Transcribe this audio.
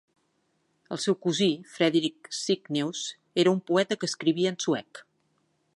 El seu cosí, Fredrik Cygnaeus, era un poeta que escrivia en suec.